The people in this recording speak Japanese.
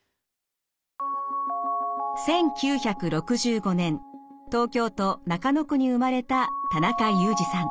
１９６５年東京都中野区に生まれた田中裕二さん。